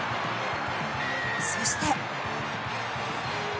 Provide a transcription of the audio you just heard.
そして。